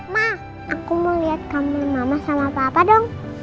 ma aku mau liat kamar mama sama papa dong